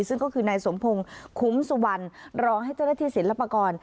ซึ่งก็คือนายสมพงศ์คุ้มสุวรรณรองให้เจ้าหน้าที่ศิลปากร